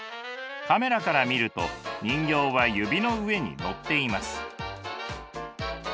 カメラから見ると人形は指の上にのっています。